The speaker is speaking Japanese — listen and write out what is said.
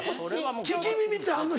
利き耳ってあんの？